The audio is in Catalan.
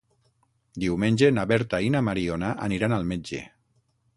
Diumenge na Berta i na Mariona aniran al metge.